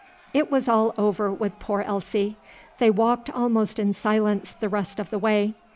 It was all over with poor Elsie. They walked almost in silence the rest of the way.